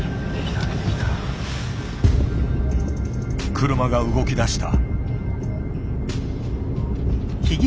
車が動きだした。